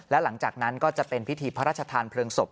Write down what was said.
และหลังจากนั้นก็จะเป็นพิธีพระราชทานเพลิงศพ